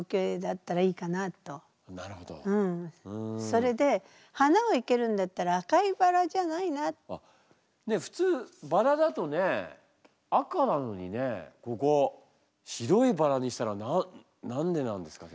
それで花を生けるんだったら普通バラだとね赤なのにねここ白いバラにしたのは何でなんですか？